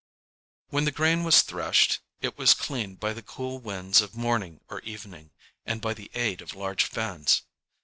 "] When the grain was threshed, it was cleaned by the cool winds of morning or evening, and by the aid of large fans.